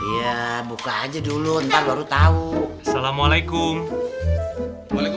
iya buka aja dulu ntar baru tahu assalamualaikum assalamualaikum